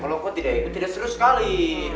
kalau kau tidak ikut tidak serius sekali